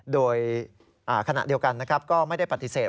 โดยขณะเดียวกันก็ไม่ได้ปฏิเสธ